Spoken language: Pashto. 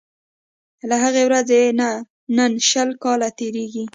له هغې ورځي نن شل کاله تیریږي